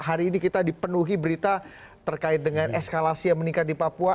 hari ini kita dipenuhi berita terkait dengan eskalasi yang meningkat di papua